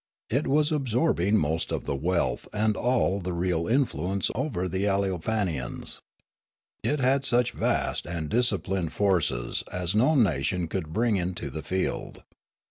It was absorb ing most of the wealth and all the real influence over the Aleofanians. It had such vast and disciplined forces as no nation could bring into the field.